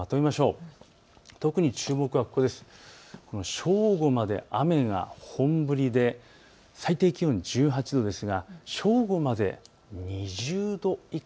正午まで雨が本降りで最低気温１８度ですが正午まで２０度以下。